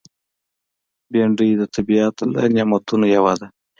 بېنډۍ د طبیعت له نعمتونو یوه ده